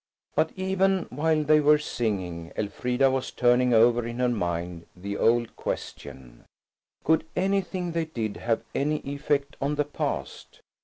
But even while they were singing Elfrida was turning over in her mind the old question, Could anything they did have any effect on the past?